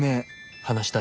「話したい」。